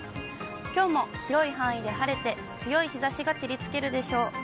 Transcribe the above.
きょうも広い範囲で晴れて、強い日ざしが照りつけるでしょう。